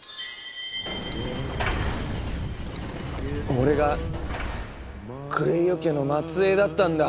俺がクレイオ家の末えいだったんだ。